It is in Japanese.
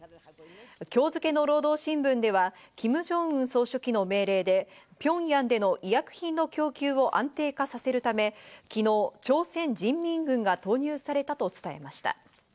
今日付の労働新聞ではキム・ジョンウン総書記の命令でピョンヤンでの医薬品の供給を安定化させるため、昨日、朝鮮人民軍が投入されたと伝えました。